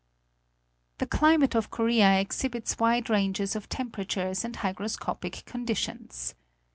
The climate of Korea exhibits wide ranges of temperatures and hygroscopic conditions.